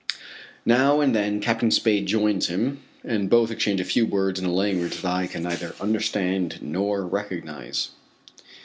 Now and then Captain Spade joins him and both exchange a few words in a language that I can neither understand nor recognize.